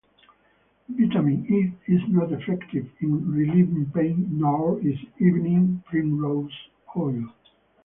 Vitamin E is not effective in relieving pain nor is Evening primrose oil.